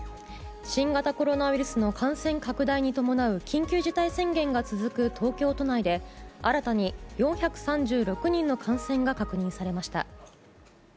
新型コロナウイルスの感染拡大に伴う緊急事態宣言が続く東京都内で新たに４３６人の感染が確認されました。